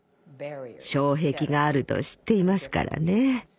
障壁があると知っていますからね。